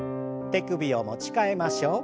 手首を持ち替えましょう。